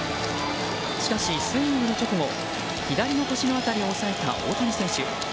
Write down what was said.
しかし、スイングの直後左の腰の辺りを押さえた大谷選手。